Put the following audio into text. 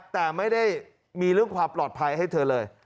แต่ไม่ได้มีเรื่องความปลอดภัยให้เธอเลย